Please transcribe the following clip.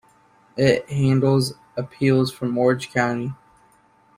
It handles appeals from Orange County.